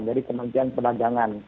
jadi kemudian pelagangan